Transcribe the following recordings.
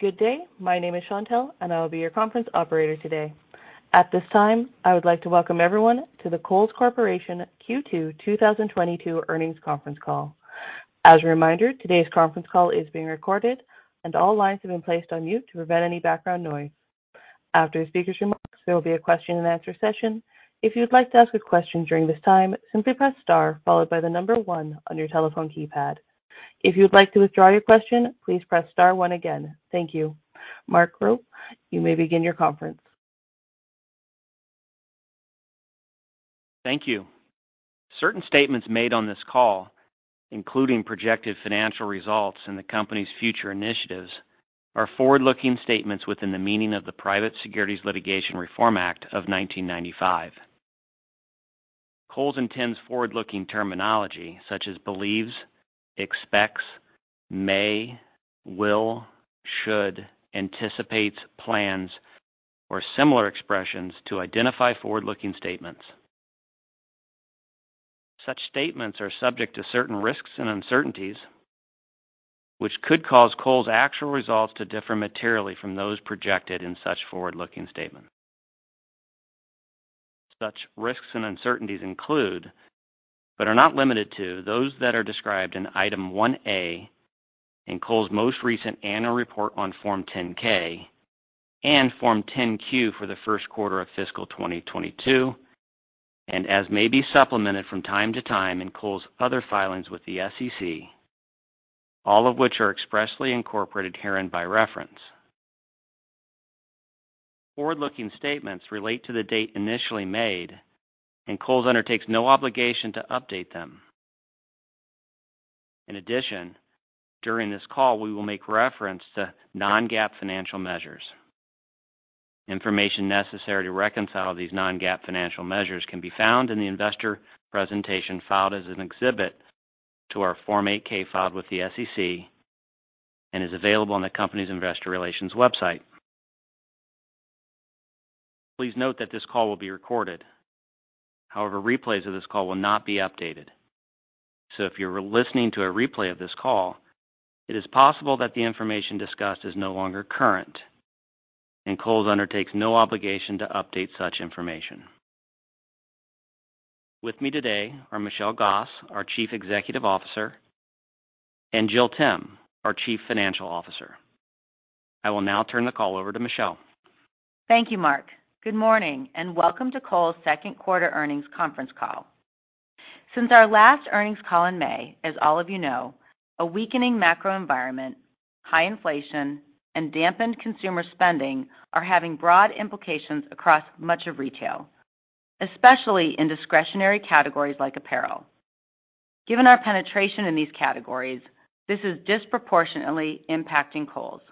Good day. My name is Chantelle, and I will be your conference operator today. At this time, I would like to welcome everyone to the Kohl's Corporation Q2 2022 Earnings Conference Call. As a reminder, today's conference call is being recorded and all lines have been placed on mute to prevent any background noise. After the speaker's remarks, there will be a question-and-answer session. If you'd like to ask a question during this time, simply press star followed by the number one on your telephone keypad. If you would like to withdraw your question, please press star one again. Thank you. Mark Rupe, you may begin your conference. Thank you. Certain statements made on this call, including projected financial results and the company's future initiatives, are forward-looking statements within the meaning of the Private Securities Litigation Reform Act of 1995. Kohl's intends forward-looking terminology such as believes, expects, may, will, should, anticipates, plans, or similar expressions to identify forward-looking statements. Such statements are subject to certain risks and uncertainties which could cause Kohl's actual results to differ materially from those projected in such forward-looking statements. Such risks and uncertainties include, but are not limited to, those that are described in Item 1A in Kohl's most recent annual report on Form 10-K and Form 10-Q for the first quarter of fiscal 2022 and as may be supplemented from time to time in Kohl's other filings with the SEC, all of which are expressly incorporated herein by reference. Forward-looking statements relate to the date initially made, and Kohl's undertakes no obligation to update them. In addition, during this call, we will make reference to non-GAAP financial measures. Information necessary to reconcile these non-GAAP financial measures can be found in the investor presentation filed as an exhibit to our Form 8-K filed with the SEC and is available on the company's investor relations website. Please note that this call will be recorded. However, replays of this call will not be updated. If you're listening to a replay of this call, it is possible that the information discussed is no longer current, and Kohl's undertakes no obligation to update such information. With me today are Michelle Gass, our Chief Executive Officer, and Jill Timm, our Chief Financial Officer. I will now turn the call over to Michelle. Thank you, Mark. Good morning and welcome to Kohl's second quarter earnings conference call. Since our last earnings call in May, as all of you know, a weakening macro environment, high inflation, and dampened consumer spending are having broad implications across much of retail, especially in discretionary categories like apparel. Given our penetration in these categories, this is disproportionately impacting Kohl's.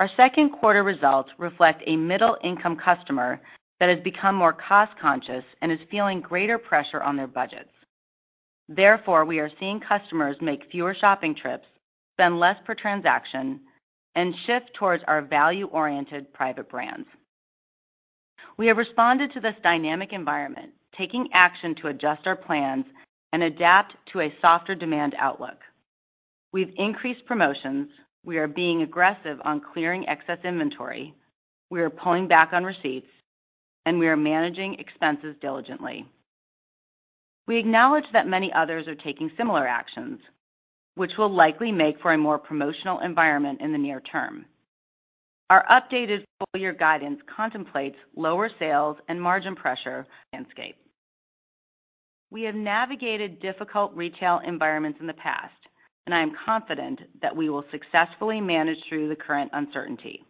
Our second quarter results reflect a middle-income customer that has become more cost-conscious and is feeling greater pressure on their budgets. Therefore, we are seeing customers make fewer shopping trips, spend less per transaction, and shift towards our value-oriented private brands. We have responded to this dynamic environment, taking action to adjust our plans and adapt to a softer demand outlook. We've increased promotions. We are being aggressive on clearing excess inventory. We are pulling back on receipts, and we are managing expenses diligently. We acknowledge that many others are taking similar actions which will likely make for a more promotional environment in the near term. Our updated full year guidance contemplates lower sales and margin pressure landscape. We have navigated difficult retail environments in the past, and I am confident that we will successfully manage through the current uncertainty.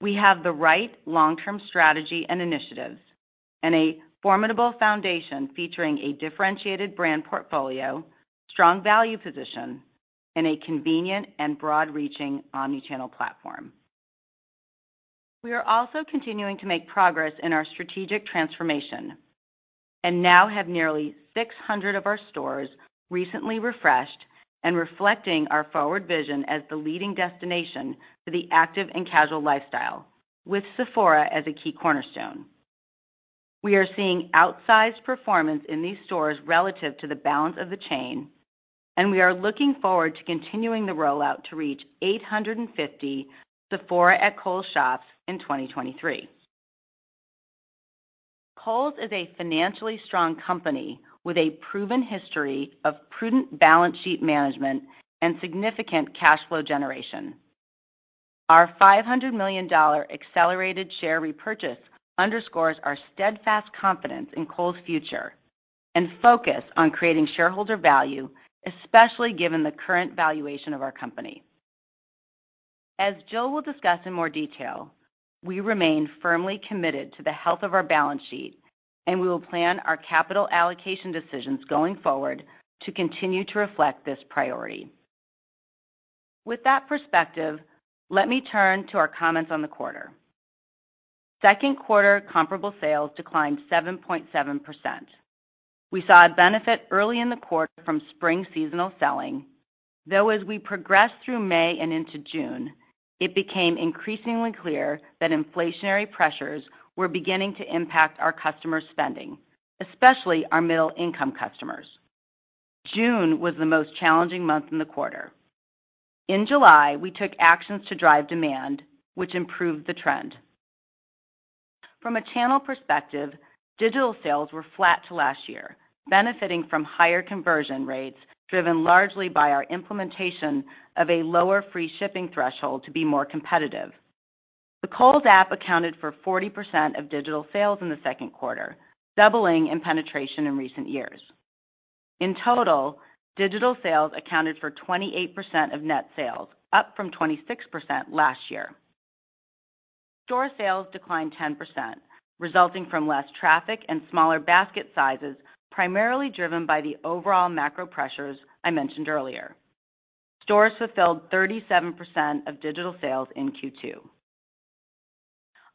We have the right long-term strategy and initiatives and a formidable foundation featuring a differentiated brand portfolio, strong value position, and a convenient and broad-reaching omnichannel platform. We are also continuing to make progress in our strategic transformation and now have nearly 600 of our stores recently refreshed and reflecting our forward vision as the leading destination for the active and casual lifestyle with Sephora as a key cornerstone. We are seeing outsized performance in these stores relative to the balance of the chain, and we are looking forward to continuing the rollout to reach 850 Sephora at Kohl's shops in 2023. Kohl's is a financially strong company with a proven history of prudent balance sheet management and significant cash flow generation. Our $500 million accelerated share repurchase underscores our steadfast confidence in Kohl's future and focus on creating shareholder value, especially given the current valuation of our company. As Jill will discuss in more detail, we remain firmly committed to the health of our balance sheet, and we will plan our capital allocation decisions going forward to continue to reflect this priority. With that perspective, let me turn to our comments on the quarter. Second quarter comparable sales declined 7.7%. We saw a benefit early in the quarter from spring seasonal selling. Though as we progressed through May and into June. It became increasingly clear that inflationary pressures were beginning to impact our customer spending, especially our middle income customers. June was the most challenging month in the quarter. In July, we took actions to drive demand, which improved the trend. From a channel perspective, digital sales were flat to last year, benefiting from higher conversion rates, driven largely by our implementation of a lower free shipping threshold to be more competitive. The Kohl's app accounted for 40% of digital sales in the second quarter, doubling in penetration in recent years. In total, digital sales accounted for 28% of net sales, up from 26% last year. Store sales declined 10%, resulting from less traffic and smaller basket sizes, primarily driven by the overall macro pressures I mentioned earlier. Stores fulfilled 37% of digital sales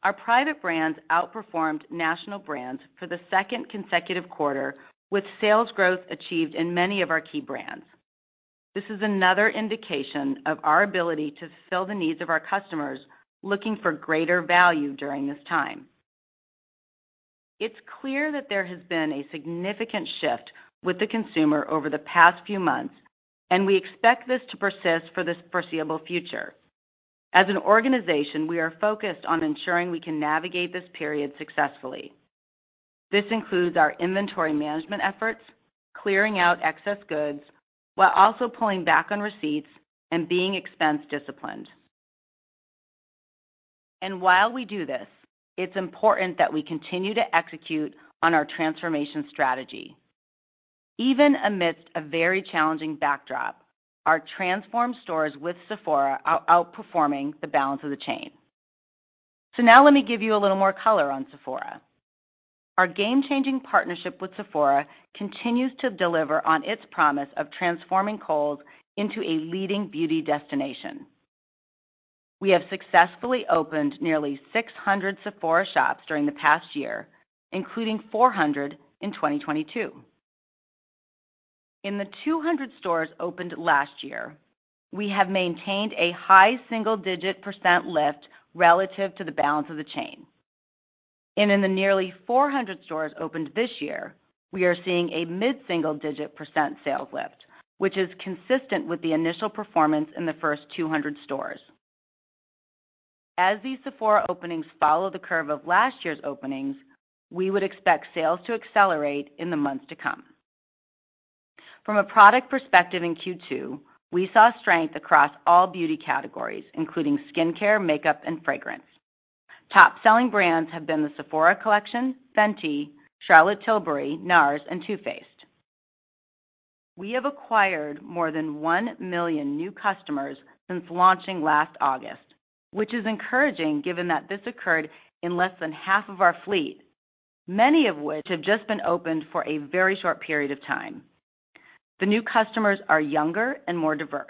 in Q2. Our private brands outperformed national brands for the second consecutive quarter with sales growth achieved in many of our key brands. This is another indication of our ability to fulfill the needs of our customers looking for greater value during this time. It's clear that there has been a significant shift with the consumer over the past few months, and we expect this to persist for the foreseeable future. As an organization, we are focused on ensuring we can navigate this period successfully. This includes our inventory management efforts, clearing out excess goods while also pulling back on receipts and being expense disciplined. While we do this, it's important that we continue to execute on our transformation strategy. Even amidst a very challenging backdrop, our transformed stores with Sephora are outperforming the balance of the chain. Now let me give you a little more color on Sephora. Our game-changing partnership with Sephora continues to deliver on its promise of transforming Kohl's into a leading beauty destination. We have successfully opened nearly 600 Sephora shops during the past year, including 400 in 2022. In the 200 stores opened last year, we have maintained a high single-digit percent lift relative to the balance of the chain. In the nearly 400 stores opened this year, we are seeing a mid-single-digit % sales lift, which is consistent with the initial performance in the first 200 stores. As these Sephora openings follow the curve of last year's openings, we would expect sales to accelerate in the months to come. From a product perspective in Q2, we saw strength across all beauty categories, including skincare, makeup, and fragrance. Top-selling brands have been the Sephora Collection, Fenty, Charlotte Tilbury, NARS, and Too Faced. We have acquired more than one million new customers since launching last August, which is encouraging given that this occurred in less than half of our fleet, many of which have just been opened for a very short period of time. The new customers are younger and more diverse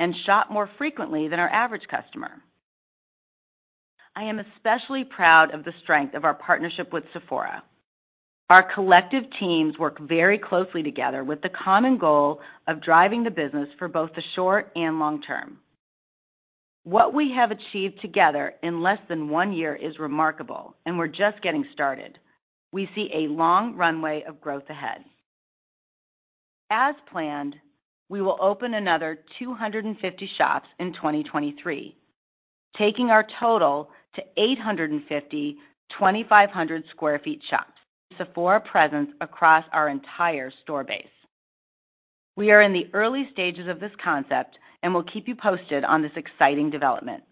and shop more frequently than our average customer. I am especially proud of the strength of our partnership with Sephora. Our collective teams work very closely together with the common goal of driving the business for both the short and long term. What we have achieved together in less than one year is remarkable, and we're just getting started. We see a long runway of growth ahead. As planned, we will open another 250 shops in 2023, taking our total to 850 2,500 sq ft shops Sephora presence across our entire store base. We are in the early stages of this concept and will keep you posted on this exciting development.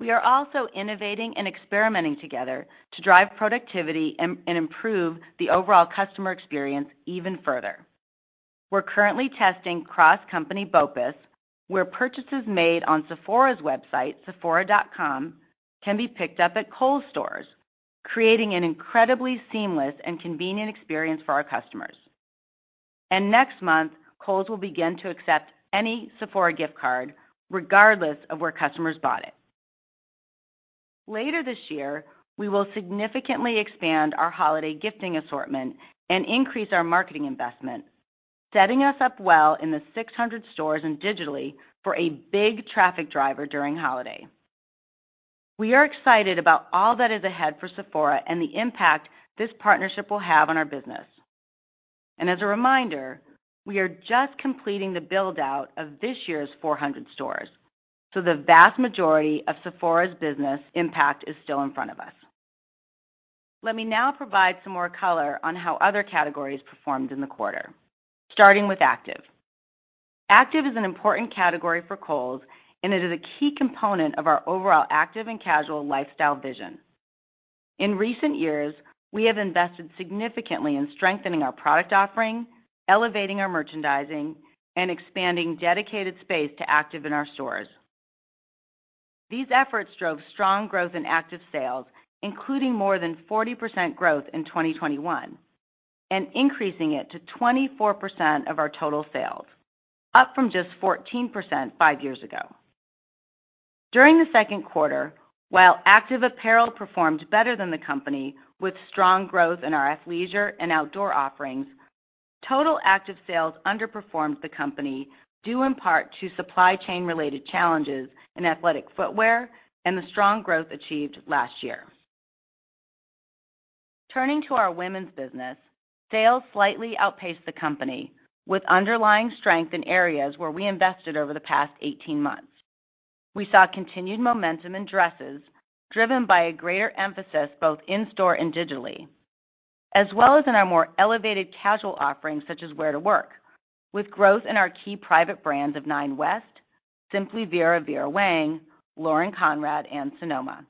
We are also innovating and experimenting together to drive productivity and improve the overall customer experience even further. We're currently testing cross-company BOPUS, where purchases made on Sephora's website, sephora.com, can be picked up at Kohl's stores, creating an incredibly seamless and convenient experience for our customers. Next month, Kohl's will begin to accept any Sephora gift card regardless of where customers bought it. Later this year, we will significantly expand our holiday gifting assortment and increase our marketing investment, setting us up well in the 600 stores and digitally for a big traffic driver during holiday. We are excited about all that is ahead for Sephora and the impact this partnership will have on our business. As a reminder, we are just completing the build-out of this year's 400 stores, so the vast majority of Sephora's business impact is still in front of us. Let me now provide some more color on how other categories performed in the quarter, starting with active. Active is an important category for Kohl's, and it is a key component of our overall active and casual lifestyle vision. In recent years, we have invested significantly in strengthening our product offering, elevating our merchandising, and expanding dedicated space to active in our stores. These efforts drove strong growth in active sales, including more than 40% growth in 2021 and increasing it to 24% of our total sales, up from just 14% five years ago. During the second quarter, while active apparel performed better than the company with strong growth in our athleisure and outdoor offerings, total active sales underperformed the company due in part to supply chain related challenges in athletic footwear and the strong growth achieved last year. Turning to our women's business, sales slightly outpaced the company with underlying strength in areas where we invested over the past 18 months. We saw continued momentum in dresses driven by a greater emphasis both in-store and digitally, as well as in our more elevated casual offerings such as wear to work with growth in our key private brands of Nine West, Simply Vera Vera Wang, Lauren Conrad and Sonoma.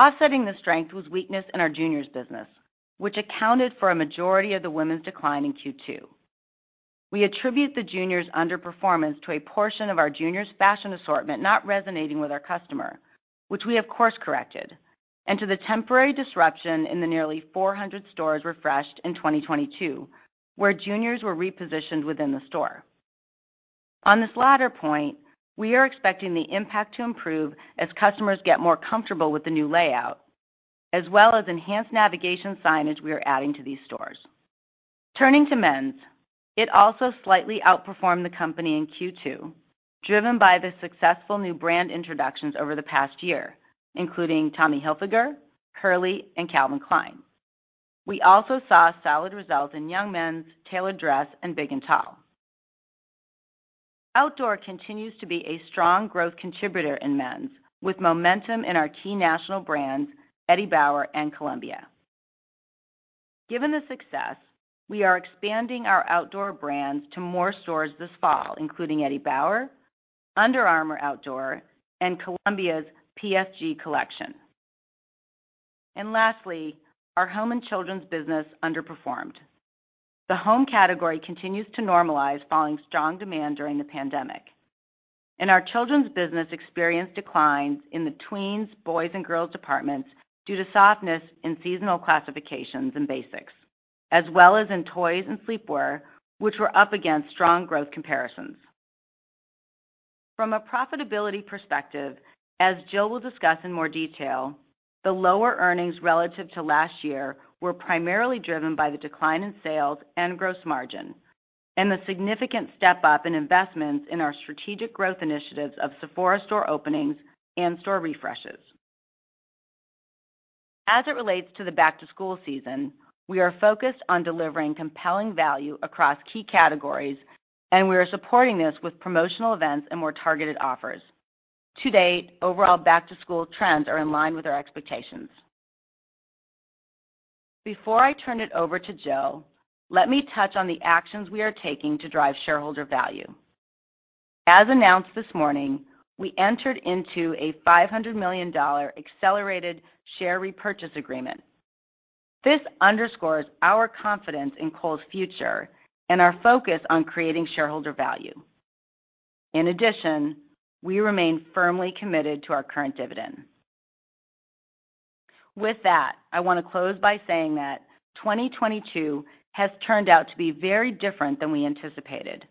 Offsetting the strength was weakness in our juniors business, which accounted for a majority of the women's decline in Q2. We attribute the juniors underperformance to a portion of our juniors fashion assortment not resonating with our customer, which we of course corrected, and to the temporary disruption in the nearly 400 stores refreshed in 2022, where juniors were repositioned within the store. On this latter point, we are expecting the impact to improve as customers get more comfortable with the new layout, as well as enhanced navigation signage we are adding to these stores. Turning to men's, it also slightly outperformed the company in Q2, driven by the successful new brand introductions over the past year, including Tommy Hilfiger, Hurley and Calvin Klein. We also saw solid results in young men's tailored dress and big and tall. Outdoor continues to be a strong growth contributor in men's, with momentum in our key national brands, Eddie Bauer and Columbia. Given the success, we are expanding our outdoor brands to more stores this fall, including Eddie Bauer, Under Armour Outdoor and Columbia's PFG collection. Lastly, our home and children's business underperformed. The home category continues to normalize following strong demand during the pandemic. Our children's business experienced declines in the tweens, boys and girls departments due to softness in seasonal classifications and basics, as well as in toys and sleepwear, which were up against strong growth comparisons. From a profitability perspective, as Jill will discuss in more detail, the lower earnings relative to last year were primarily driven by the decline in sales and gross margin and the significant step up in investments in our strategic growth initiatives of Sephora store openings and store refreshes. As it relates to the back to school season, we are focused on delivering compelling value across key categories, and we are supporting this with promotional events and more targeted offers. To date, overall back to school trends are in line with our expectations. Before I turn it over to Jill, let me touch on the actions we are taking to drive shareholder value. As announced this morning, we entered into a $500 million accelerated share repurchase agreement. This underscores our confidence in Kohl's future and our focus on creating shareholder value. In addition, we remain firmly committed to our current dividend. With that, I want to close by saying that 2022 has turned out to be very different than we anticipated.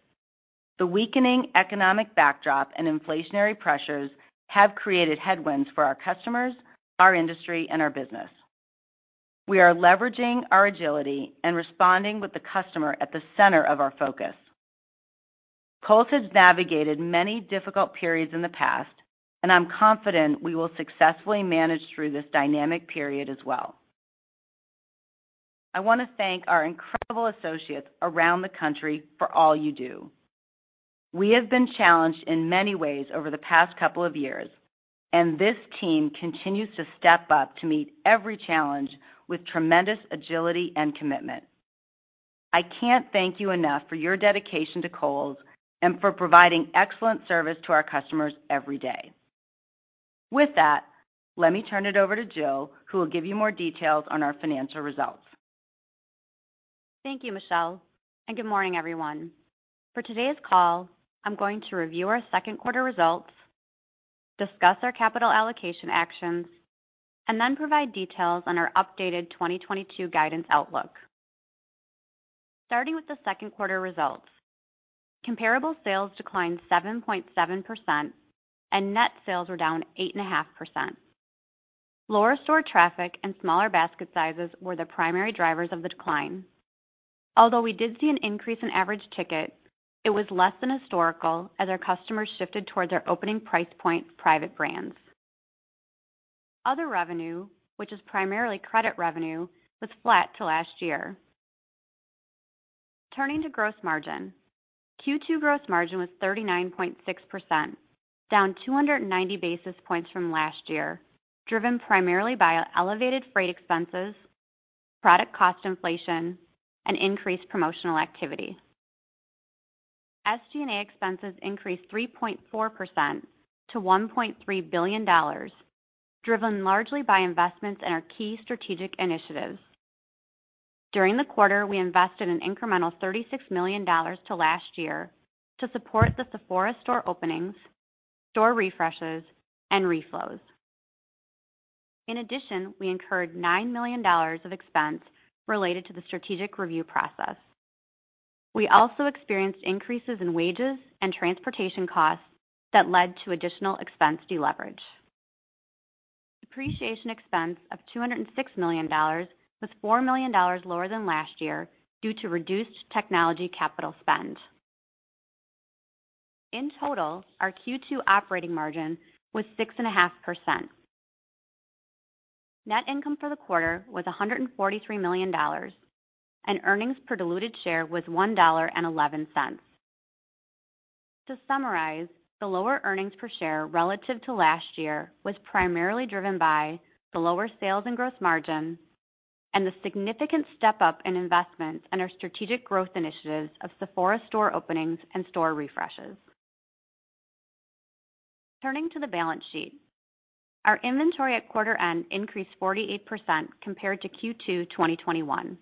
The weakening economic backdrop and inflationary pressures have created headwinds for our customers, our industry and our business. We are leveraging our agility and responding with the customer at the center of our focus. Kohl's has navigated many difficult periods in the past, and I'm confident we will successfully manage through this dynamic period as well. I want to thank our incredible associates around the country for all you do. We have been challenged in many ways over the past couple of years, and this team continues to step up to meet every challenge with tremendous agility and commitment. I can't thank you enough for your dedication to Kohl's and for providing excellent service to our customers every day. With that, let me turn it over to Jill, who will give you more details on our financial results. Thank you, Michelle, and good morning, everyone. For today's call, I'm going to review our second quarter results, discuss our capital allocation actions, and then provide details on our updated 2022 guidance outlook. Starting with the second quarter results. Comparable sales declined 7.7% and net sales were down 8.5%. Lower store traffic and smaller basket sizes were the primary drivers of the decline. Although we did see an increase in average ticket, it was less than historical as our customers shifted towards our opening price point private brands. Other revenue, which is primarily credit revenue, was flat to last year. Turning to gross margin. Q2 gross margin was 39.6%, down 290 basis points from last year, driven primarily by elevated freight expenses, product cost inflation and increased promotional activity. SG&A expenses increased 3.4% to $1.3 billion, driven largely by investments in our key strategic initiatives. During the quarter, we invested an incremental $36 million to last year to support the Sephora store openings, store refreshes, and reflows. In addition, we incurred $9 million of expense related to the strategic review process. We also experienced increases in wages and transportation costs that led to additional expense deleverage. Depreciation expense of $206 million was $4 million lower than last year due to reduced technology capital spend. In total, our Q2 operating margin was 6.5%. Net income for the quarter was $143 million, and earnings per diluted share was $1.11. To summarize, the lower earnings per share relative to last year was primarily driven by the lower sales and gross margin and the significant step-up in investments in our strategic growth initiatives of Sephora store openings and store refreshes. Turning to the balance sheet, our inventory at quarter end increased 48% compared to Q2 2021.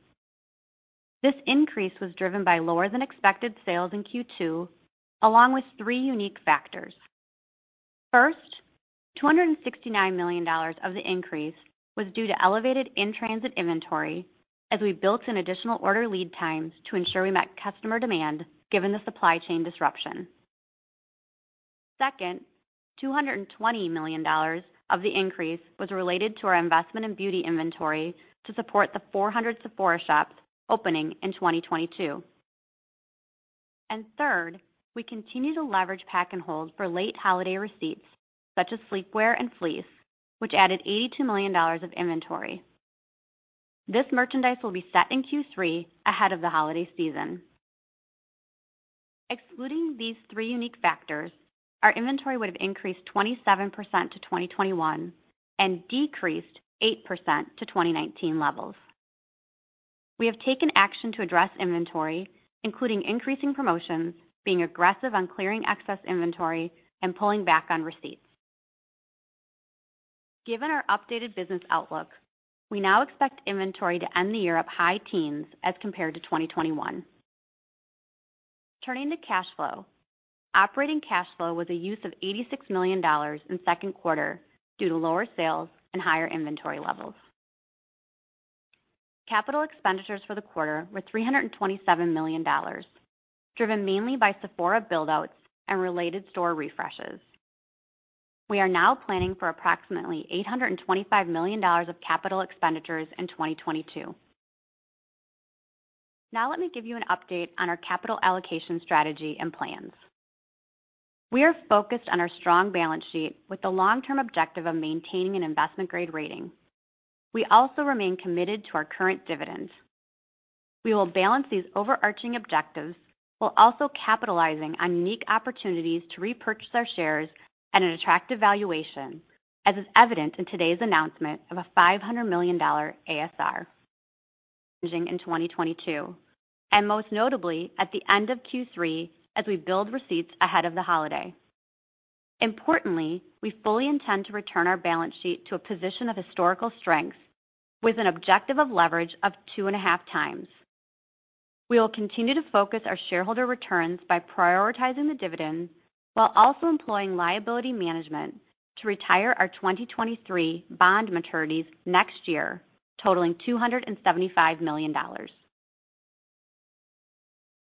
This increase was driven by lower than expected sales in Q2 along with three unique factors. First, $269 million of the increase was due to elevated in-transit inventory as we built in additional order lead times to ensure we met customer demand given the supply chain disruption. Second, $220 million of the increase was related to our investment in beauty inventory to support the 400 Sephora shops opening in 2022. Third, we continue to leverage pack and hold for late holiday receipts such as sleepwear and fleece, which added $82 million of inventory. This merchandise will be set in Q3 ahead of the holiday season. Excluding these three unique factors, our inventory would have increased 27% to 2021 and decreased 8% to 2019 levels. We have taken action to address inventory, including increasing promotions, being aggressive on clearing excess inventory, and pulling back on receipts. Given our updated business outlook, we now expect inventory to end the year up high teens as compared to 2021. Turning to cash flow, operating cash flow was a use of $86 million in second quarter due to lower sales and higher inventory levels. Capital expenditures for the quarter were $327 million, driven mainly by Sephora build-outs and related store refreshes. We are now planning for approximately $825 million of capital expenditures in 2022. Now let me give you an update on our capital allocation strategy and plans. We are focused on our strong balance sheet with the long-term objective of maintaining an investment-grade rating. We also remain committed to our current dividend. We will balance these overarching objectives while also capitalizing on unique opportunities to repurchase our shares at an attractive valuation, as is evident in today's announcement of a $500 million ASR. In 2022, and most notably at the end of Q3 as we build receipts ahead of the holiday. Importantly, we fully intend to return our balance sheet to a position of historical strength with an objective of leverage of 2.5 times. We will continue to focus our shareholder returns by prioritizing the dividend while also employing liability management to retire our 2023 bond maturities next year, totaling $275 million.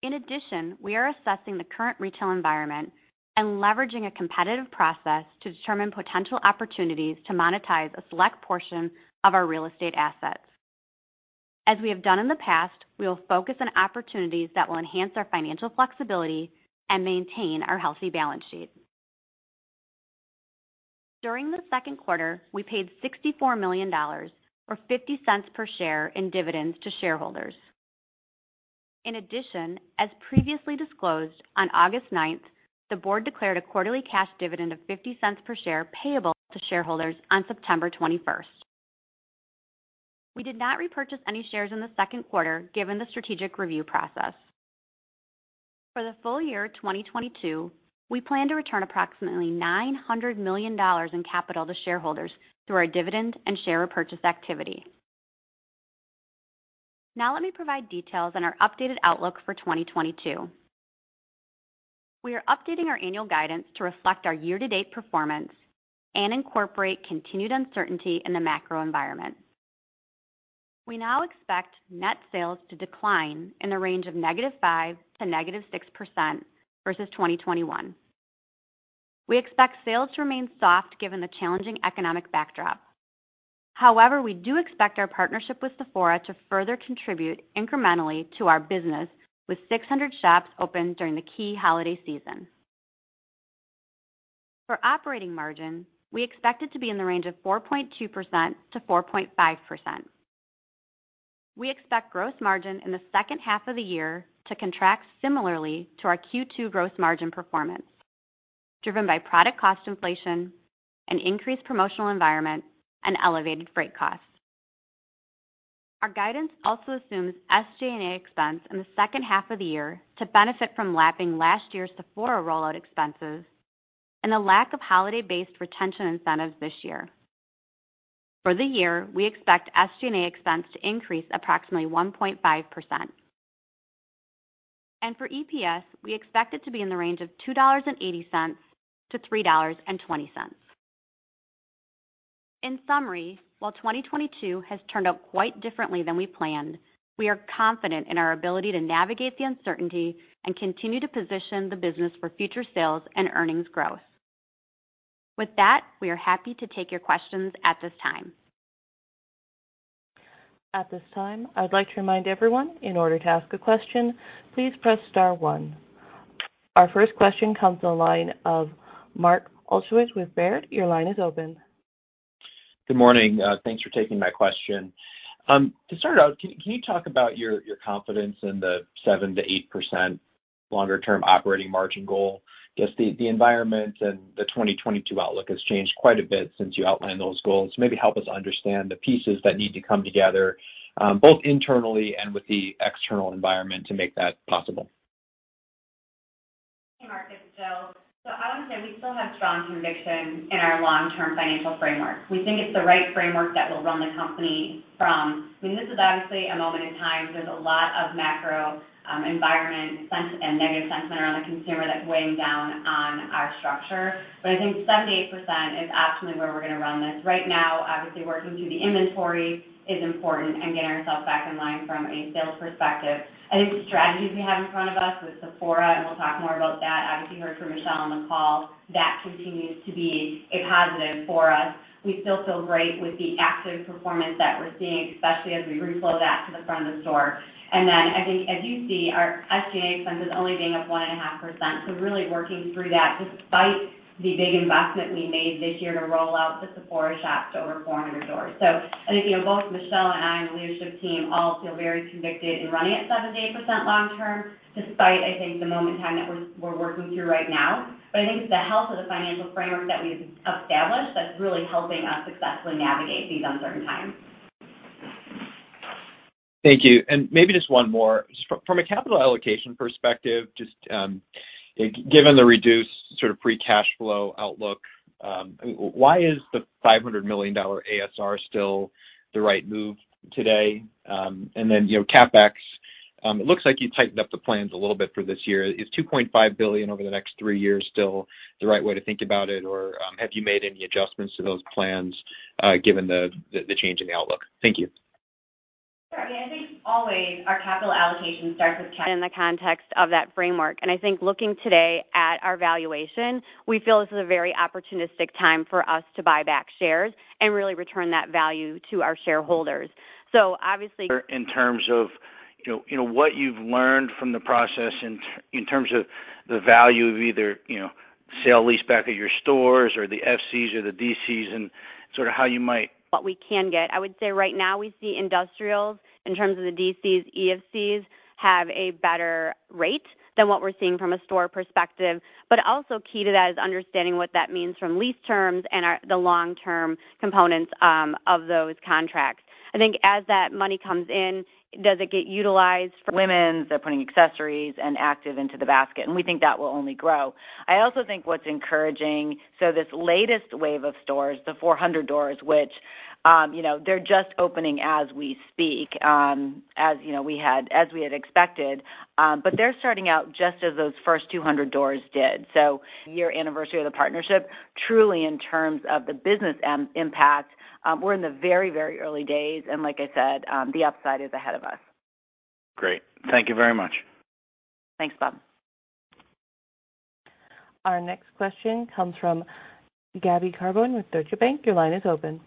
In addition, we are assessing the current retail environment and leveraging a competitive process to determine potential opportunities to monetize a select portion of our real estate assets. As we have done in the past, we will focus on opportunities that will enhance our financial flexibility and maintain our healthy balance sheet. During the second quarter, we paid $64 million or $0.50 per share in dividends to shareholders. In addition, as previously disclosed on August 9, the board declared a quarterly cash dividend of $0.50 per share payable to shareholders on September 21st. We did not repurchase any shares in the second quarter given the strategic review process. For the full year 2022, we plan to return approximately $900 million in capital to shareholders through our dividend and share repurchase activity. Now let me provide details on our updated outlook for 2022. We are updating our annual guidance to reflect our year-to-date performance and incorporate continued uncertainty in the macro environment. We now expect net sales to decline in the range of -5% to -6% versus 2021. We expect sales to remain soft given the challenging economic backdrop. However, we do expect our partnership with Sephora to further contribute incrementally to our business with 600 shops open during the key holiday season. For operating margin, we expect it to be in the range of 4.2% to 4.5%. We expect gross margin in the second half of the year to contract similarly to our Q2 gross margin performance, driven by product cost inflation, an increased promotional environment, and elevated freight costs. Our guidance also assumes SG&A expense in the second half of the year to benefit from lapping last year's Sephora rollout expenses and a lack of holiday-based retention incentives this year. For the year, we expect SG&A expense to increase approximately 1.5%. For EPS, we expect it to be in the range of $2.80-$3.20. In summary, while 2022 has turned out quite differently than we planned, we are confident in our ability to navigate the uncertainty and continue to position the business for future sales and earnings growth. With that, we are happy to take your questions at this time. At this time, I would like to remind everyone, in order to ask a question, please press star one. Our first question comes on the line of Mark Altschwager with Baird. Your line is open. Good morning. Thanks for taking my question. To start out, can you talk about your confidence in the 7%-8% longer-term operating margin goal? I guess the environment and the 2022 outlook has changed quite a bit since you outlined those goals. Maybe help us understand the pieces that need to come together, both internally and with the external environment to make that possible. Mark, it's Jill. I would say we still have strong conviction in our long-term financial framework. We think it's the right framework that will run the company. I mean, this is obviously a moment in time. There's a lot of macro environment and negative sentiment around the consumer that's weighing down on our structure. I think 7%-8% is absolutely where we're gonna run this. Right now, obviously, working through the inventory is important and getting ourselves back in line from a sales perspective. I think the strategies we have in front of us with Sephora, and we'll talk more about that, obviously you heard from Michelle on the call, that continues to be a positive for us. We still feel great with the active performance that we're seeing, especially as we reflow that to the front of the store. I think as you see our SG&A expenses only being up 1.5%, so really working through that despite the big investment we made this year to roll out the Sephora shops over 400 stores. I think, you know, both Michelle and I and the leadership team all feel very convicted in running at 7%-8% long term, despite I think the moment in time that we're working through right now. I think it's the health of the financial framework that we've established that's really helping us successfully navigate these uncertain times. Thank you. Maybe just one more. From a capital allocation perspective, just, given the reduced sort of free cash flow outlook, why is the $500 million ASR still the right move today? You know, CapEx, it looks like you tightened up the plans a little bit for this year. Is $2.5 billion over the next three years still the right way to think about it? Or, have you made any adjustments to those plans, given the change in the outlook? Thank you. Sure. I mean, I think always our capital allocation starts with in the context of that framework. I think looking today at our valuation, we feel this is a very opportunistic time for us to buy back shares and really return that value to our shareholders. In terms of, you know, what you've learned from the process in terms of the value of either, you know, sale-leaseback at your stores or the FCs or the DCs and sort of how you might? What we can get. I would say right now we see industrials in terms of the DCs, e-FCs have a better rate than what we're seeing from a store perspective. Also key to that is understanding what that means from lease terms and the long-term components of those contracts. I think as that money comes in, does it get utilized for Women's, they're putting accessories and active into the basket, and we think that will only grow. I also think what's encouraging. This latest wave of stores, the 400 doors, which, you know, they're just opening as we speak, as we had expected. They're starting out just as those first 200 doors did. 10-year anniversary of the partnership, truly in terms of the business impact, we're in the very, very early days, and like I said, the upside is ahead of us. Great. Thank you very much. Thanks, Mark. Our next question comes from Gabby Carbone with Deutsche Bank. Your line is open.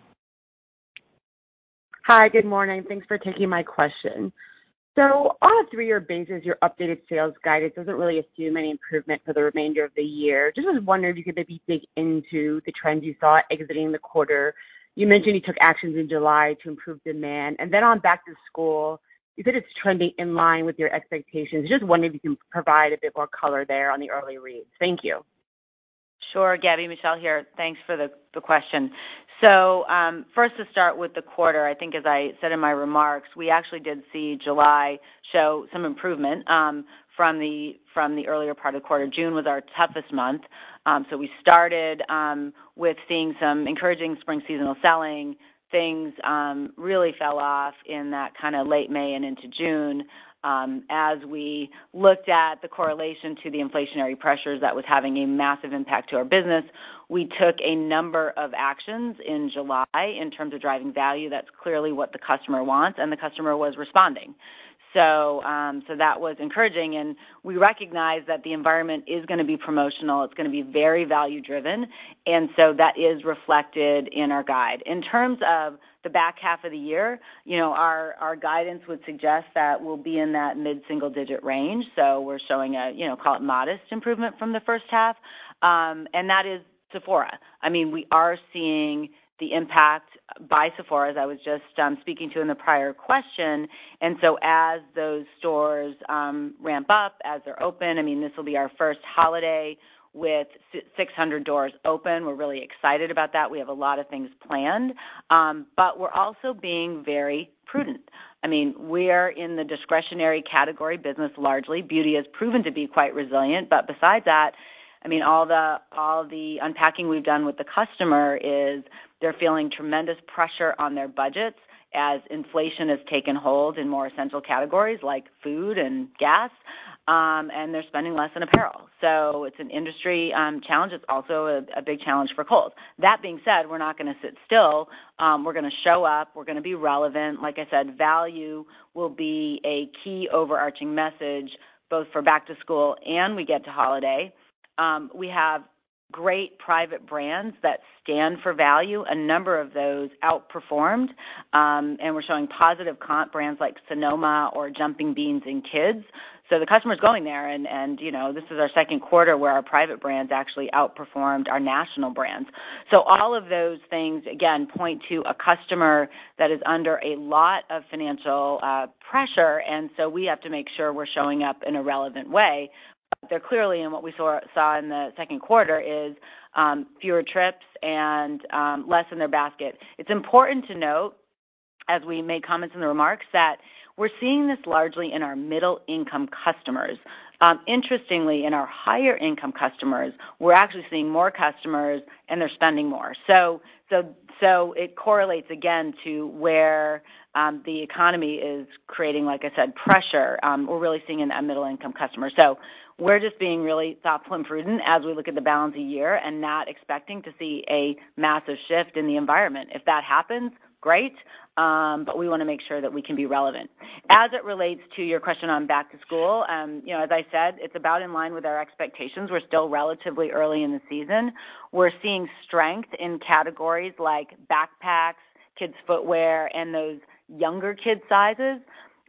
Hi. Good morning. Thanks for taking my question. On a three-year basis, your updated sales guidance doesn't really assume any improvement for the remainder of the year. Just was wondering if you could maybe dig into the trends you saw exiting the quarter. You mentioned you took actions in July to improve demand. On back-to-school, you said it's trending in line with your expectations. Just wondering if you can provide a bit more color there on the early reads. Thank you. Sure, Gabby. Michelle here. Thanks for the question. First to start with the quarter, I think as I said in my remarks, we actually did see July show some improvement from the earlier part of the quarter. June was our toughest month. We started with seeing some encouraging spring seasonal selling. Things really fell off in that kinda late May and into June. As we looked at the correlation to the inflationary pressures, that was having a massive impact to our business. We took a number of actions in July in terms of driving value. That's clearly what the customer wants, and the customer was responding. That was encouraging, and we recognize that the environment is gonna be promotional. It's gonna be very value-driven. That is reflected in our guide. In terms of the back half of the year, you know, our guidance would suggest that we'll be in that mid-single digit range. We're showing a, you know, call it modest improvement from the first half. That is Sephora. I mean, we are seeing the impact by Sephora, as I was just speaking to in the prior question. As those stores ramp up, as they're open, I mean, this will be our first holiday with 600 doors open. We're really excited about that. We have a lot of things planned. We're also being very prudent. I mean, we are in the discretionary category business largely. Beauty has proven to be quite resilient. Besides that. I mean, all the unpacking we've done with the customer is they're feeling tremendous pressure on their budgets as inflation has taken hold in more essential categories like food and gas, and they're spending less in apparel. So it's an industry challenge. It's also a big challenge for Kohl's. That being said, we're not gonna sit still. We're gonna show up. We're gonna be relevant. Like I said, value will be a key overarching message both for back to school and we get to holiday. We have great private brands that stand for value. A number of those outperformed, and we're showing positive comp brands like Sonoma or Jumping Beans in Kids. So the customer's going there and, you know, this is our second quarter where our private brands actually outperformed our national brands. All of those things, again, point to a customer that is under a lot of financial pressure, and we have to make sure we're showing up in a relevant way. They're clearly, and what we saw in the second quarter is fewer trips and less in their basket. It's important to note, as we made comments in the remarks, that we're seeing this largely in our middle income customers. Interestingly, in our higher income customers, we're actually seeing more customers, and they're spending more. So it correlates again to where the economy is creating, like I said, pressure, we're really seeing in a middle income customer. We're just being really thoughtful and prudent as we look at the balance of year and not expecting to see a massive shift in the environment. If that happens, great, but we wanna make sure that we can be relevant. As it relates to your question on back to school, you know, as I said, it's about in line with our expectations. We're still relatively early in the season. We're seeing strength in categories like backpacks, kids footwear, and those younger kid sizes.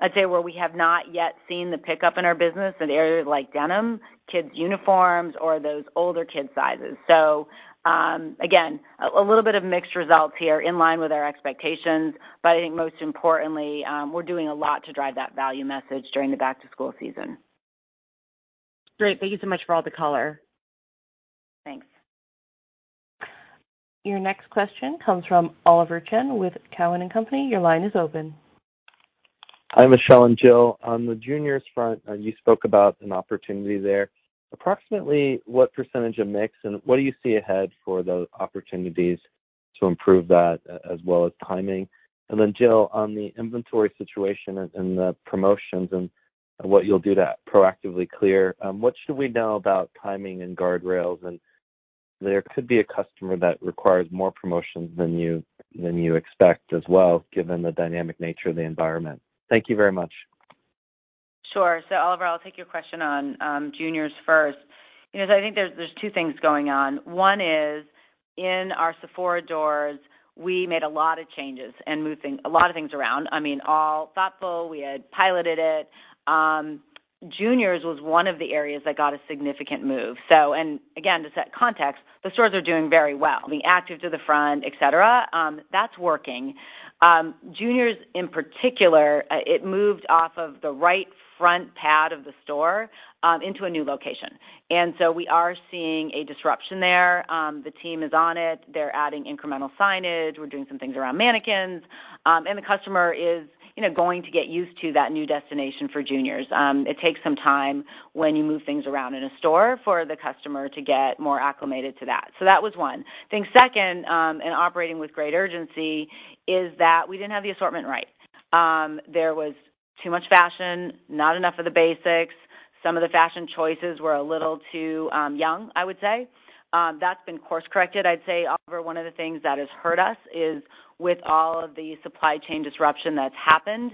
I'd say where we have not yet seen the pickup in our business in areas like denim, kids uniforms, or those older kid sizes. Again, a little bit of mixed results here in line with our expectations, but I think most importantly, we're doing a lot to drive that value message during the back to school season. Great. Thank you so much for all the color. Thanks. Your next question comes from Oliver Chen with Cowen and Company. Your line is open. Hi, Michelle and Jill. On the juniors front, you spoke about an opportunity there. Approximately what percentage of mix, and what do you see ahead for the opportunities to improve that as well as timing? Then Jill, on the inventory situation and the promotions and what you'll do to proactively clear, what should we know about timing and guardrails? There could be a customer that requires more promotions than you expect as well, given the dynamic nature of the environment. Thank you very much. Sure. Oliver, I'll take your question on juniors first. You know, I think there's two things going on. One is in our Sephora doors, we made a lot of changes and moved a lot of things around. I mean, all thoughtful. We had piloted it. Juniors was one of the areas that got a significant move. Again, to set context, the stores are doing very well. The actives are the front, et cetera, that's working. Juniors in particular, it moved off of the right front pad of the store into a new location. We are seeing a disruption there. The team is on it. They're adding incremental signage. We're doing some things around mannequins. The customer is, you know, going to get used to that new destination for juniors. It takes some time when you move things around in a store for the customer to get more acclimated to that. That was one. I think second, in operating with great urgency is that we didn't have the assortment right. There was too much fashion, not enough of the basics. Some of the fashion choices were a little too young, I would say. That's been course corrected. I'd say, Oliver, one of the things that has hurt us is with all of the supply chain disruption that's happened,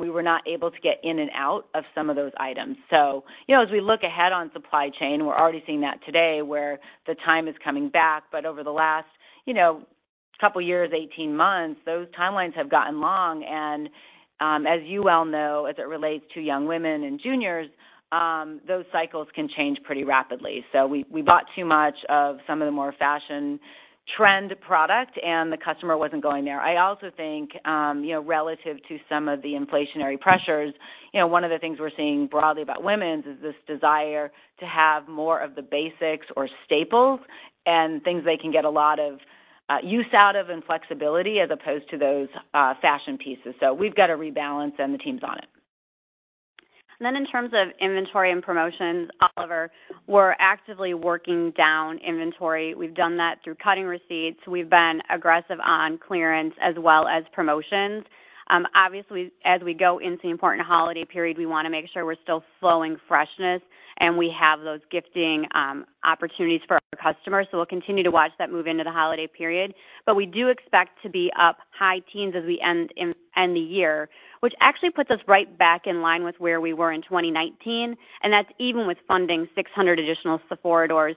we were not able to get in and out of some of those items. You know, as we look ahead on supply chain, we're already seeing that today where the time is coming back. Over the last, you know, couple years, 18 months, those timelines have gotten long. As you well know, as it relates to young women and juniors, those cycles can change pretty rapidly. We bought too much of some of the more fashion trend product, and the customer wasn't going there. I also think, you know, relative to some of the inflationary pressures, you know, one of the things we're seeing broadly about women's is this desire to have more of the basics or staples and things they can get a lot of use out of and flexibility as opposed to those fashion pieces. We've got to rebalance and the team's on it. In terms of inventory and promotions, Oliver, we're actively working down inventory. We've done that through cutting receipts. We've been aggressive on clearance as well as promotions. Obviously, as we go into the important holiday period, we wanna make sure we're still flowing freshness, and we have those gifting opportunities for our customers. We'll continue to watch that move into the holiday period. We do expect to be up high teens as we end the year, which actually puts us right back in line with where we were in 2019, and that's even with funding 600 additional Sephora doors.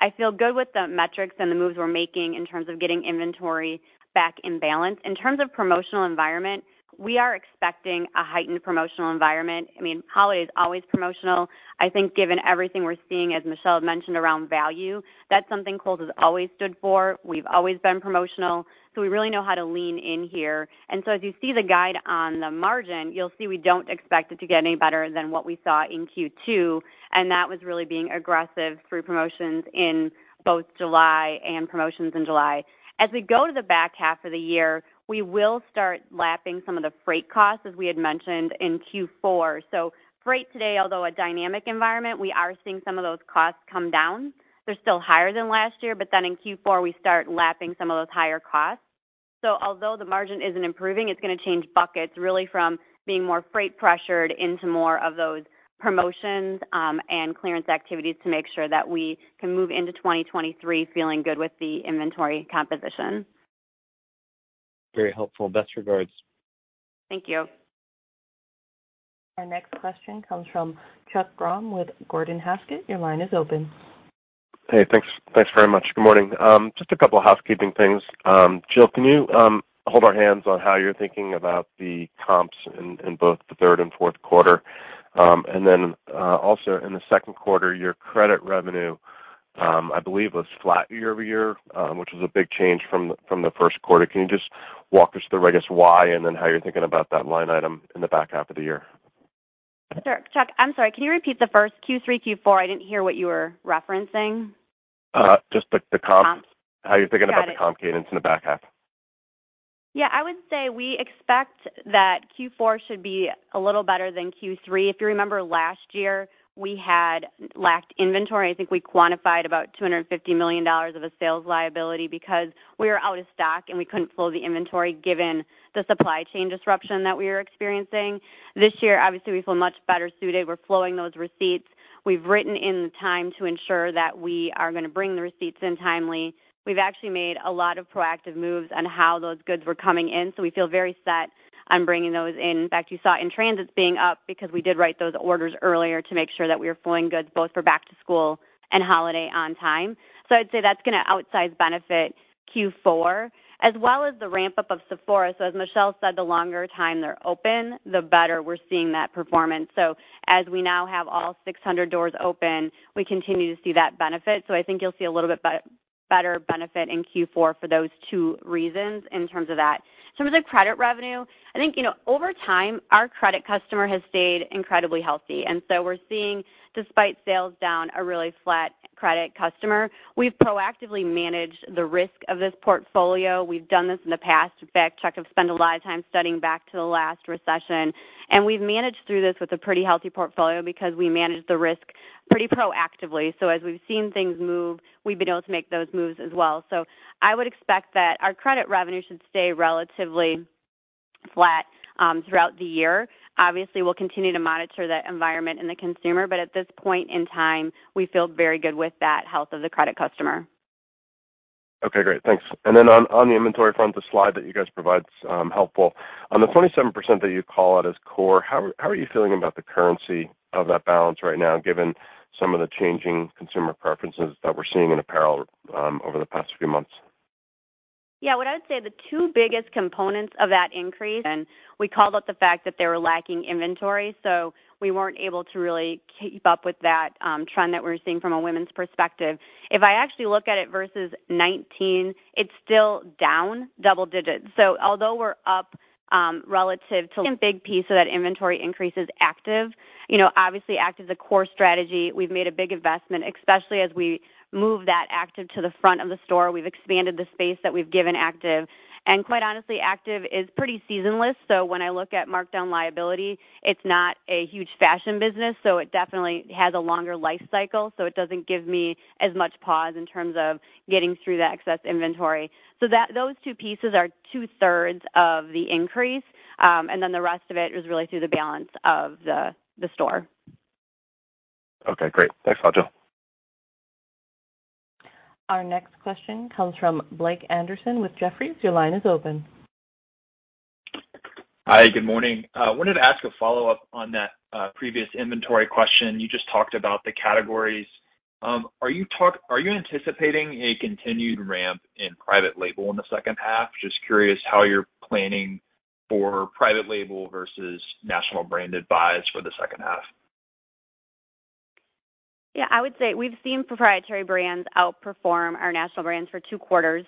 I feel good with the metrics and the moves we're making in terms of getting inventory back in balance. In terms of promotional environment, we are expecting a heightened promotional environment. I mean, holiday is always promotional. I think given everything we're seeing, as Michelle mentioned, around value, that's something Kohl's has always stood for. We've always been promotional, so we really know how to lean in here. As you see the guide on the margin, you'll see we don't expect it to get any better than what we saw in Q2, and that was really being aggressive through promotions in both July. As we go to the back half of the year, we will start lapping some of the freight costs, as we had mentioned in Q4. Freight today, although a dynamic environment, we are seeing some of those costs come down. They're still higher than last year, but then in Q4, we start lapping some of those higher costs. Although the margin isn't improving, it's gonna change buckets really from being more freight pressured into more of those promotions, and clearance activities to make sure that we can move into 2023 feeling good with the inventory composition. Very helpful. Best regards. Thank you. Our next question comes from Chuck Grom with Gordon Haskett. Your line is open. Hey, thanks. Thanks very much. Good morning. Just a couple of housekeeping things. Jill, can you hold our hands on how you're thinking about the comps in both the third and fourth quarter? Then, also in the second quarter, your credit revenue, I believe, was flat year-over-year, which was a big change from the first quarter. Can you just walk us through, I guess, why and then how you're thinking about that line item in the back half of the year? Sure. Chuck, I'm sorry. Can you repeat the first Q3, Q4? I didn't hear what you were referencing. Just the comps. Comps. How you're thinking about the comp cadence in the back half? Yeah. I would say we expect that Q4 should be a little better than Q3. If you remember last year, we had lacked inventory. I think we quantified about $250 million of a sales liability because we were out of stock, and we couldn't flow the inventory given the supply chain disruption that we were experiencing. This year, obviously, we feel much better suited. We're flowing those receipts. We've built in the time to ensure that we are gonna bring the receipts in timely. We've actually made a lot of proactive moves on how those goods were coming in, so we feel very set on bringing those in. In fact, you saw in-transit being up because we did write those orders earlier to make sure that we were flowing goods both for back to school and holiday on time. I'd say that's gonna outsize benefit Q4 as well as the ramp-up of Sephora. As Michelle said, the longer time they're open, the better we're seeing that performance. As we now have all 600 doors open, we continue to see that benefit. I think you'll see a little bit better benefit in Q4 for those two reasons in terms of that. In terms of credit revenue, I think, you know, over time, our credit customer has stayed incredibly healthy, and so we're seeing, despite sales down, a really flat credit customer. We've proactively managed the risk of this portfolio. We've done this in the past. In fact, Chuck, I've spent a lot of time studying back to the last recession, and we've managed through this with a pretty healthy portfolio because we managed the risk pretty proactively. As we've seen things move, we've been able to make those moves as well. I would expect that our credit revenue should stay relatively flat throughout the year. Obviously, we'll continue to monitor the environment and the consumer, but at this point in time, we feel very good with that health of the credit customer. Okay, great. Thanks. On the inventory front, the slide that you guys provide is helpful. On the 27% that you call out as core, how are you feeling about the currency of that balance right now given some of the changing consumer preferences that we're seeing in apparel over the past few months? Yeah. What I would say the two biggest components of that increase, and we called out the fact that they were lacking inventory, so we weren't able to really keep up with that, trend that we're seeing from a women's perspective. If I actually look at it versus 2019, it's still down double digits. Although we're up relative to. A big piece of that inventory increase is active. You know, obviously, active is a core strategy. We've made a big investment, especially as we move that active to the front of the store. We've expanded the space that we've given active. Quite honestly, active is pretty seasonless. When I look at markdown liability, it's not a huge fashion business, so it definitely has a longer life cycle, so it doesn't give me as much pause in terms of getting through the excess inventory. Those two pieces are two-thirds of the increase, and then the rest of it is really through the balance of the store. Okay, great. Thanks a lot, Jill. Our next question comes from Blake Anderson with Jefferies. Your line is open. Hi. Good morning. I wanted to ask a follow-up on that previous inventory question. You just talked about the categories. Are you anticipating a continued ramp in private label in the second half? Just curious how you're planning for private label versus national brands for the second half. Yeah. I would say we've seen proprietary brands outperform our national brands for two quarters.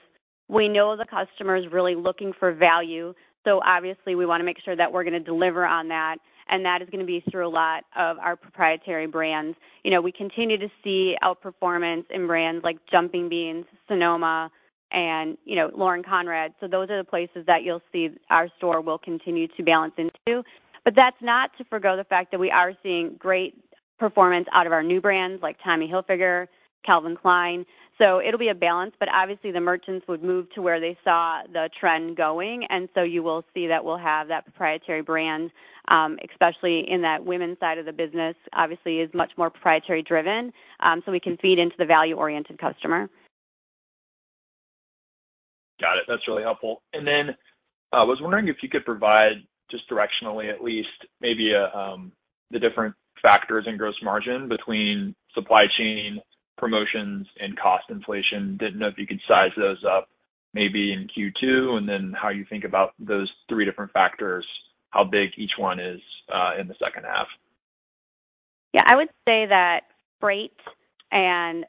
We know the customer is really looking for value, so obviously, we wanna make sure that we're gonna deliver on that, and that is gonna be through a lot of our proprietary brands. You know, we continue to see outperformance in brands like Jumping Beans, Sonoma, and, you know, Lauren Conrad. Those are the places that you'll see our store will continue to balance into. That's not to forgo the fact that we are seeing great performance out of our new brands like Tommy Hilfiger, Calvin Klein. It'll be a balance, but obviously, the merchants would move to where they saw the trend going. You will see that we'll have that proprietary brand, especially in that women's side of the business, obviously is much more proprietary driven, so we can feed into the value-oriented customer. Got it. That's really helpful. I was wondering if you could provide just directionally, at least, maybe, the different factors in gross margin between supply chain, promotions, and cost inflation. Didn't know if you could size those up maybe in Q2, and then how you think about those three different factors, how big each one is, in the second half. Yeah. I would say that freight and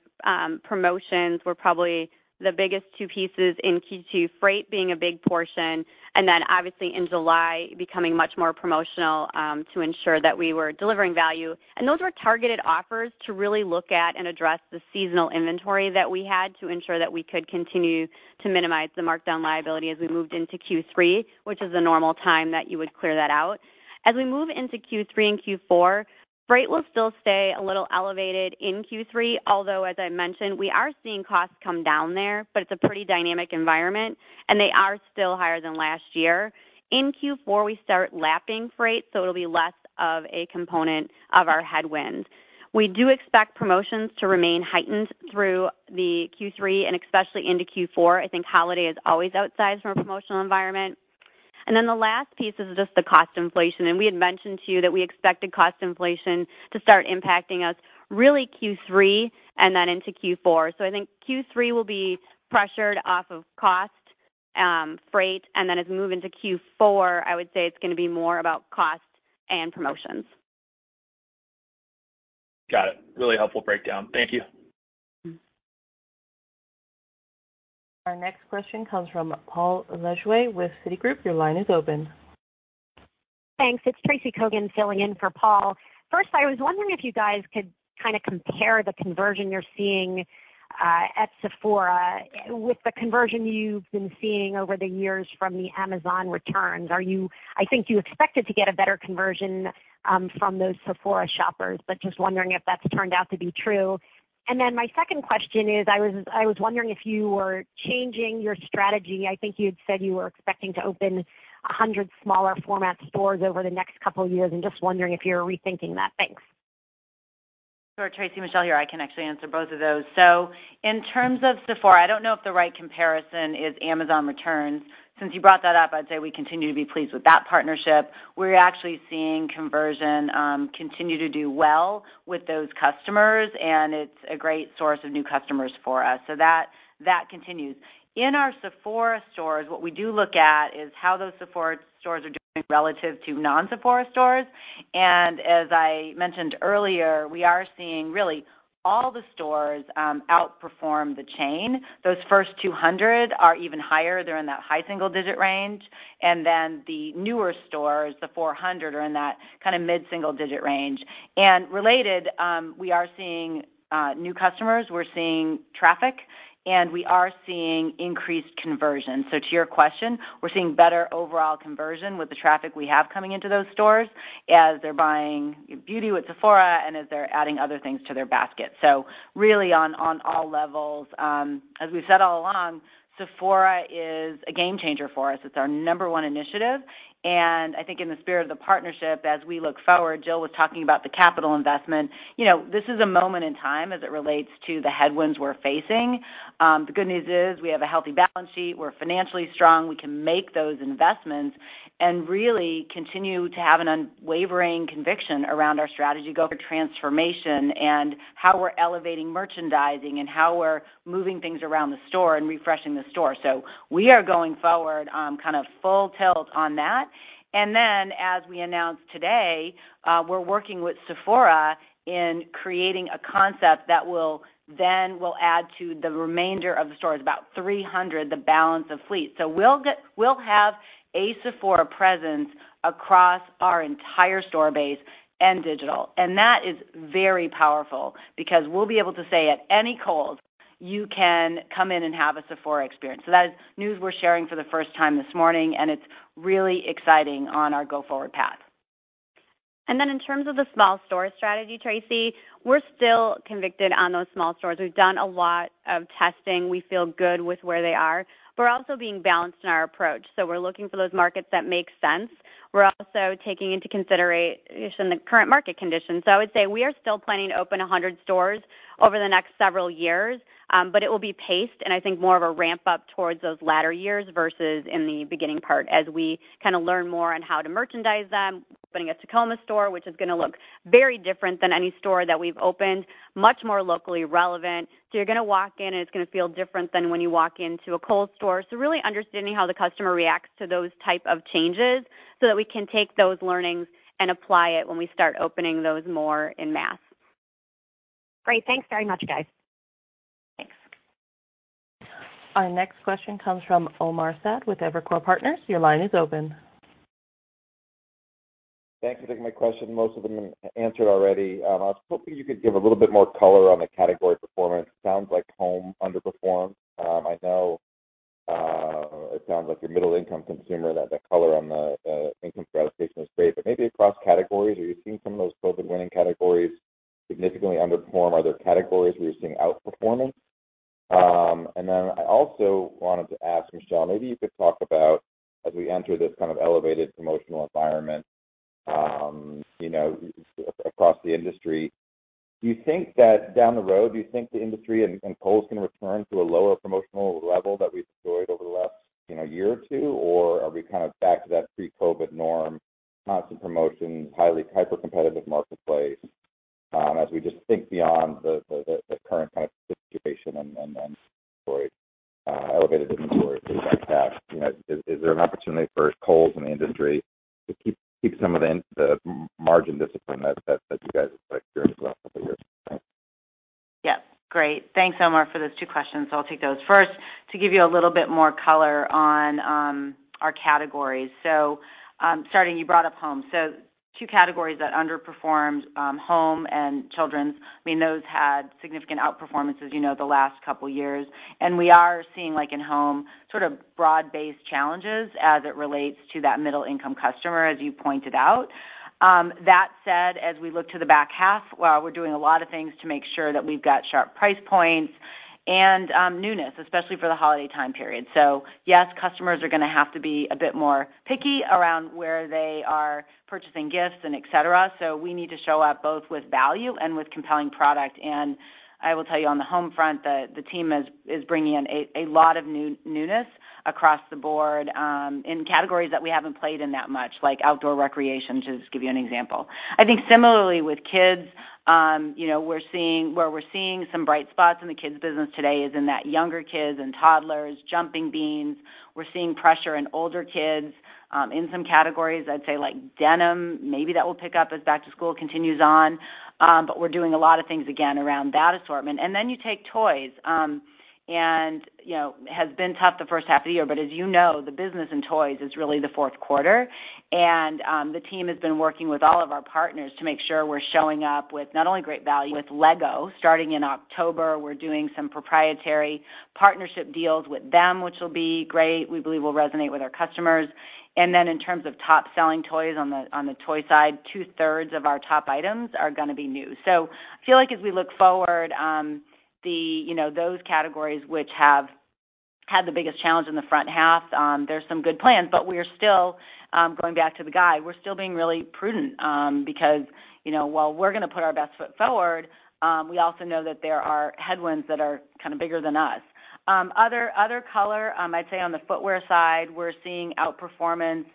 promotions were probably the biggest two pieces in Q2, freight being a big portion, and then obviously in July, becoming much more promotional to ensure that we were delivering value. Those were targeted offers to really look at and address the seasonal inventory that we had to ensure that we could continue to minimize the markdown liability as we moved into Q3, which is the normal time that you would clear that out. As we move into Q3 and Q4, freight will still stay a little elevated in Q3, although, as I mentioned, we are seeing costs come down there, but it's a pretty dynamic environment, and they are still higher than last year. In Q4, we start lapping freight, so it'll be less of a component of our headwind. We do expect promotions to remain heightened through the Q3 and especially into Q4. I think holiday is always outsized from a promotional environment. The last piece is just the cost inflation. We had mentioned to you that we expected cost inflation to start impacting us really Q3 and then into Q4. I think Q3 will be pressured off of cost, freight, and then as we move into Q4, I would say it's gonna be more about cost and promotions. Got it. Really helpful breakdown. Thank you. Our next question comes from Paul Lejuez with Citigroup. Your line is open. Thanks. It's Tracy Kogan filling in for Paul. First, I was wondering if you guys could kinda compare the conversion you're seeing at Sephora with the conversion you've been seeing over the years from the Amazon returns. I think you expected to get a better conversion from those Sephora shoppers, but just wondering if that's turned out to be true. My second question is, I was wondering if you were changing your strategy. I think you had said you were expecting to open 100 smaller format stores over the next couple of years, and just wondering if you're rethinking that. Thanks. Sure, Tracy, Michelle here. I can actually answer both of those. In terms of Sephora, I don't know if the right comparison is Amazon returns. Since you brought that up, I'd say we continue to be pleased with that partnership. We're actually seeing conversion continue to do well with those customers, and it's a great source of new customers for us. That continues. In our Sephora stores, what we do look at is how those Sephora stores are doing relative to non-Sephora stores. As I mentioned earlier, we are seeing really all the stores outperform the chain. Those first 200 are even higher. They're in that high single-digit range. Then the newer stores, the 400, are in that kinda mid-single digit range. Related, we are seeing new customers, we're seeing traffic, and we are seeing increased conversion. To your question, we're seeing better overall conversion with the traffic we have coming into those stores as they're buying beauty with Sephora and as they're adding other things to their basket. Really on all levels, as we've said all along, Sephora is a game changer for us. It's our number one initiative. I think in the spirit of the partnership as we look forward, Jill was talking about the capital investment. You know, this is a moment in time as it relates to the headwinds we're facing. The good news is we have a healthy balance sheet, we're financially strong, we can make those investments and really continue to have an unwavering conviction around our strategy go for transformation and how we're elevating merchandising and how we're moving things around the store and refreshing the store. We are going forward, kind of full tilt on that. Then as we announced today, we're working with Sephora in creating a concept that will add to the remainder of the stores, about 300, the balance of fleet. We'll have a Sephora presence across our entire store base and digital. That is very powerful because we'll be able to say at any Kohl's, you can come in and have a Sephora experience. That is news we're sharing for the first time this morning, and it's really exciting on our go-forward path. In terms of the small store strategy, Tracy, we're still convicted on those small stores. We've done a lot of testing. We feel good with where they are. We're also being balanced in our approach. We're looking for those markets that make sense. We're also taking into consideration the current market conditions. I would say we are still planning to open 100 stores over the next several years, but it will be paced and I think more of a ramp up towards those latter years versus in the beginning part as we kinda learn more on how to merchandise them, opening a Tacoma store, which is gonna look very different than any store that we've opened, much more locally relevant. You're gonna walk in, and it's gonna feel different than when you walk into a Kohl's store. really understanding how the customer reacts to those type of changes so that we can take those learnings and apply it when we start opening those more en masse. Great. Thanks very much, guys. Thanks. Our next question comes from Omar Saad with Evercore Partners. Your line is open. Thanks for taking my question. Most of them answered already. I was hoping you could give a little bit more color on the category performance. Sounds like Home underperformed. I know it sounds like your middle income consumer, that the color on the income stratification is great. But maybe across categories, are you seeing some of those COVID winning categories significantly underperform? Are there categories where you're seeing outperforming? And then I also wanted to ask Michelle, maybe you could talk about as we enter this kind of elevated promotional environment, you know, across the industry, do you think that down the road, the industry and Kohl's can return to a lower promotional level that we've enjoyed over the last, you know, year or two? Are we kind of back to that pre-COVID norm, constant promotions, highly hyper-competitive marketplace, as we just think beyond the current kind of situation and story, elevated inventory that we have had. Is there an opportunity for Kohl's and the industry to keep some of the margin discipline that you guys have experienced over the years? Yeah. Great. Thanks, Omar, for those two questions. I'll take those. First, to give you a little bit more color on our categories. Starting, you brought up Home. Two categories that underperformed, Home and Children's. I mean, those had significant outperformance, as you know, the last couple of years. We are seeing, like in Home, sort of broad-based challenges as it relates to that middle income customer, as you pointed out. That said, as we look to the back half, while we're doing a lot of things to make sure that we've got sharp price points and newness, especially for the holiday time period. Yes, customers are gonna have to be a bit more picky around where they are purchasing gifts and et cetera. We need to show up both with value and with compelling product. I will tell you on the home front, the team is bringing in a lot of newness across the board, in categories that we haven't played in that much, like outdoor recreation, to just give you an example. I think similarly with kids, you know, we're seeing some bright spots in the kids business today is in that younger kids and toddlers, Jumping Beans. We're seeing pressure in older kids, in some categories, I'd say like denim, maybe that will pick up as back to school continues on. But we're doing a lot of things, again, around that assortment. Then you take toys, and you know, has been tough the first half of the year. As you know, the business in toys is really the fourth quarter. The team has been working with all of our partners to make sure we're showing up with not only great value. With Lego, starting in October, we're doing some proprietary partnership deals with them, which will be great. We believe will resonate with our customers. Then in terms of top-selling toys on the toy side, two-thirds of our top items are gonna be new. I feel like as we look forward, you know, those categories which have had the biggest challenge in the front half, there's some good plans, but we're still going back to the guide. We're still being really prudent, because, you know, while we're gonna put our best foot forward, we also know that there are headwinds that are kind a bigger than us. I'd say on the footwear side, we're seeing outperformance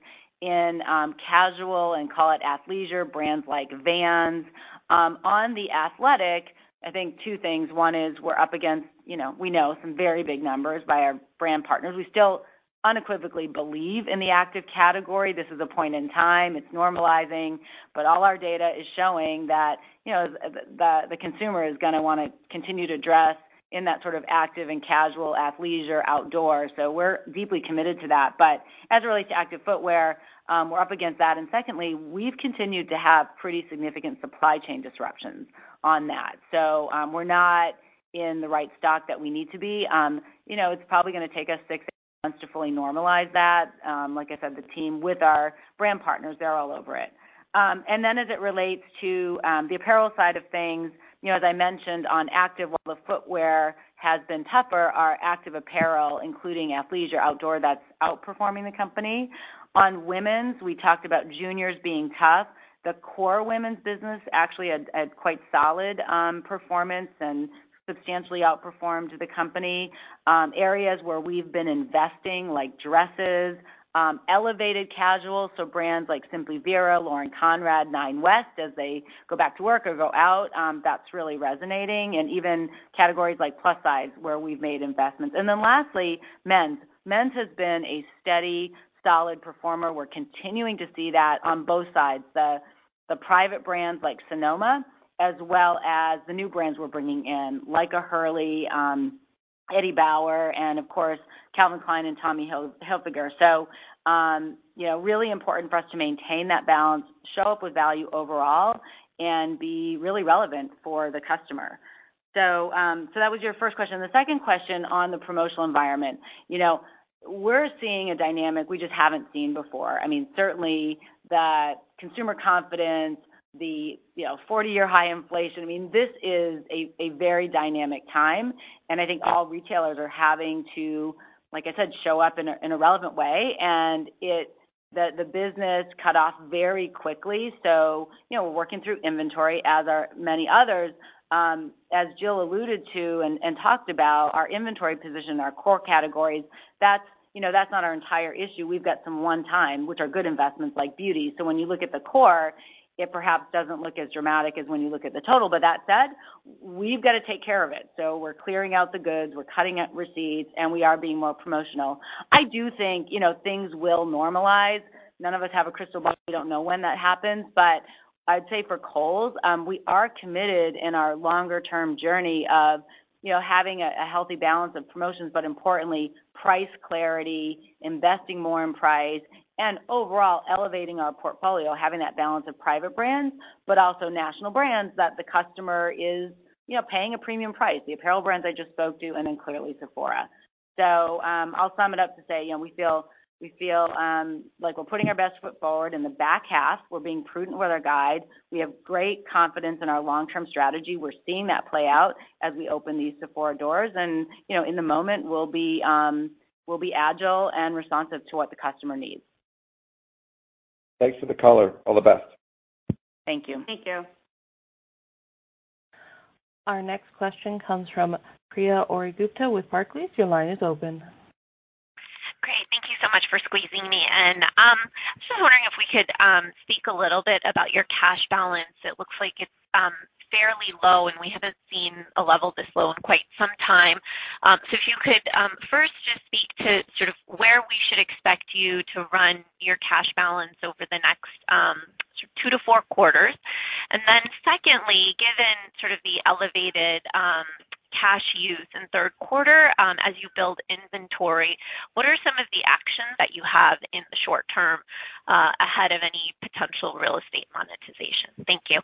in casual and call it athleisure brands like Vans. On the athletic, I think two things. One is we're up against, you know, we know some very big numbers by our brand partners. We still unequivocally believe in the active category. This is a point in time. It's normalizing. All our data is showing that, you know, the consumer is gonna wanna continue to dress in that sort of active and casual athleisure outdoor. We're deeply committed to that. As it relates to active footwear, we're up against that. And secondly, we've continued to have pretty significant supply chain disruptions on that. We're not in the right stock that we need to be. You know, it's probably gonna take us six-nine months to fully normalize that. Like I said, the team with our brand partners, they're all over it. As it relates to the apparel side of things, you know, as I mentioned on active, while the footwear has been tougher, our active apparel, including athleisure outdoor, that's outperforming the company. On women's, we talked about juniors being tough. The core women's business actually had quite solid performance and substantially outperformed the company. Areas where we've been investing, like dresses, elevated casual, so brands like Simply Vera, Lauren Conrad, Nine West, as they go back to work or go out, that's really resonating. Even categories like plus size, where we've made investments. Lastly, men's. Men's has been a steady, solid performer. We're continuing to see that on both sides. The private brands like Sonoma, as well as the new brands we're bringing in, like a Hurley, Eddie Bauer, and of course, Calvin Klein and Tommy Hilfiger. You know, really important for us to maintain that balance, show up with value overall, and be really relevant for the customer. So that was your first question. The second question on the promotional environment. You know, we're seeing a dynamic we just haven't seen before. I mean, certainly the consumer confidence, you know, 40-year high inflation. I mean, this is a very dynamic time, and I think all retailers are having to, like I said, show up in a relevant way. The business cut off very quickly. You know, we're working through inventory as are many others. As Jill alluded to and talked about, our inventory position, our core categories, that's, that's not our entire issue. We've got some one-time, which are good investments like beauty. When you look at the core, it perhaps doesn't look as dramatic as when you look at the total. That said, we've got to take care of it. We're clearing out the goods, we're cutting at receipts, and we are being more promotional. I do think, you know, things will normalize. None of us have a crystal ball. We don't know when that happens. I'd say for Kohl's, we are committed in our longer term journey of, you know, having a healthy balance of promotions, but importantly, price clarity, investing more in price, and overall elevating our portfolio, having that balance of private brands, but also national brands that the customer is, you know, paying a premium price. The apparel brands I just spoke to, and then clearly Sephora. I'll sum it up to say, you know, we feel like we're putting our best foot forward in the back half. We're being prudent with our guide. We have great confidence in our long-term strategy. We're seeing that play out as we open these Sephora doors. In the moment, we'll be agile and responsive to what the customer needs. Thanks for the color. All the best. Thank you. Thank you. Our next question comes from Priya Ohri-Gupta with Barclays. Your line is open. Great. Thank you so much for squeezing me in. Just wondering if we could speak a little bit about your cash balance. It looks like it's fairly low, and we haven't seen a level this low in quite some time. If you could first just speak to sort of where we should expect you to run your cash balance over the next two to four quarters. Secondly, given sort of the elevated cash use in third quarter, as you build inventory, what are some of the actions that you have in the short term, ahead of any potential real estate monetization? Thank you.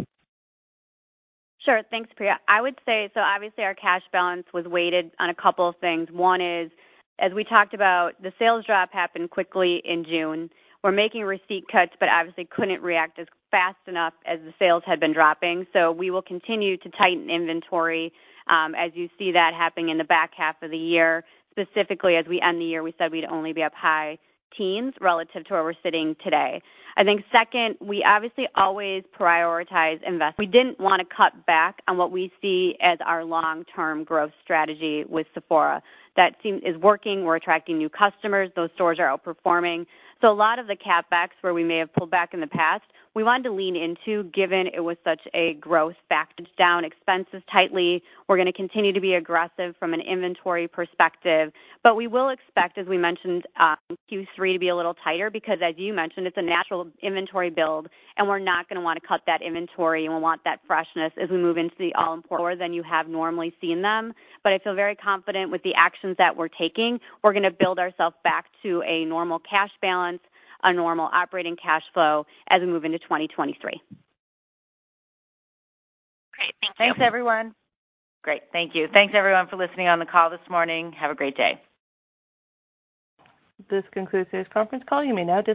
Sure. Thanks, Priya. I would say, obviously, our cash balance was weighed on a couple of things. One is, as we talked about, the sales drop happened quickly in June. We're making receipt cuts, but obviously couldn't react as fast enough as the sales had been dropping. We will continue to tighten inventory, as you see that happening in the back half of the year. Specifically as we end the year, we said we'd only be up high teens relative to where we're sitting today. I think second, we obviously always prioritize investment. We didn't wanna cut back on what we see as our long-term growth strategy with Sephora. That is working. We're attracting new customers. Those stores are outperforming. A lot of the CapEx where we may have pulled back in the past, we wanted to lean into, given it was such a growth, we backed down expenses tightly. We're gonna continue to be aggressive from an inventory perspective. We will expect, as we mentioned, Q3 to be a little tighter than you have normally seen them because as you mentioned, it's a natural inventory build, and we're not gonna wanna cut that inventory, and we want that freshness. I feel very confident with the actions that we're taking. We're gonna build ourself back to a normal cash balance, a normal operating cash flow as we move into 2023. Great. Thank you. Thanks, everyone. Great. Thank you. Thanks, everyone for listening on the call this morning. Have a great day. This concludes today's conference call. You may now disconnect.